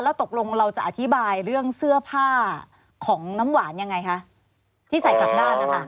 ตกลงเราจะอธิบายเรื่องเสื้อผ้าของน้ำหวานยังไงคะที่ใส่กลับด้านนะคะ